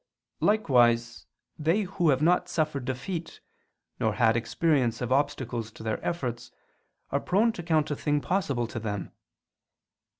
Likewise they who have not suffered defeat, nor had experience of obstacles to their efforts, are prone to count a thing possible to them.